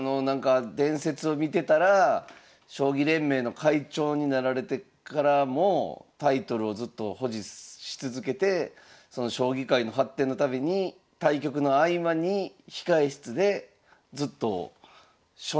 伝説を見てたら将棋連盟の会長になられてからもタイトルをずっと保持し続けてその将棋界の発展のために対局の合間に控え室でずっと書の揮ごうをされてたっていうね。